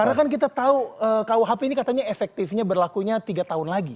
karena kan kita tahu kuhp ini katanya efektifnya berlakunya tiga tahun lagi